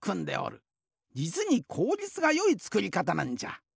じつにこうりつがよいつくりかたなんじゃ。